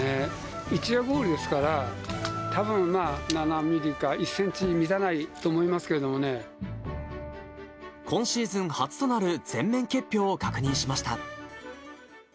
一夜氷ですから、たぶんまあ、７ミリか、１センチに満たないと今シーズン初となる全面結氷を確認しました。